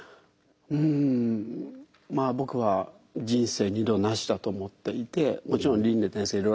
うんまあ僕は「人生二度なし」だと思っていてもちろん輪廻転生